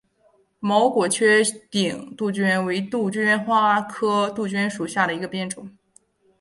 毛果缺顶杜鹃为杜鹃花科杜鹃属下的一个变种。